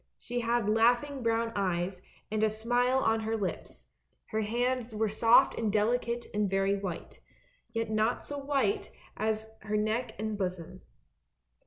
She had laugh ing brown eyes, and a smile on her lips; her hands were soft and delicate and very white, yet not so white as her neck and bosom.